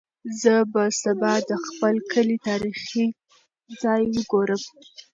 زه به سبا د خپل کلي تاریخي ځای وګورم.